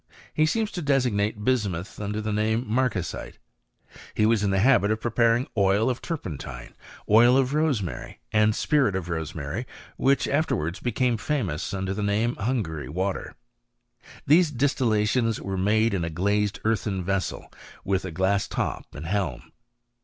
He seems to designate bismuth under the name marcasite. He was in the habit of preparing oil of turpentine, oil of rosemary, and spirit of rosemary, which afterwards became famous under the name of Hungary water. These distillations were made in a glazed earthen vessel with a glass top and hehn.